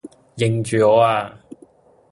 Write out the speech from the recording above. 認住我呀!